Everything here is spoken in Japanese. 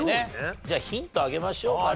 じゃあヒントあげましょうかね。